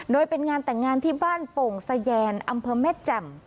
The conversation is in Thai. โดยเป็นงานแต่งงานที่บ้านโป่งสแยนอำเภอแม่แจ่ม